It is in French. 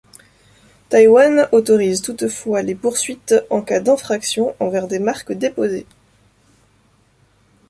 Taïwan autorise toutefois les poursuites en cas d'infraction envers des marques déposées.